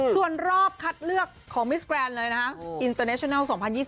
ส่วนรอบคัดเลือกของมิสแกรนด์เลยนะฮะอินเตอร์เนชนัล๒๐๒๐